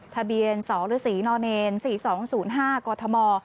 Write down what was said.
ทะเบียนสฤษีน๔๒๐๕กธม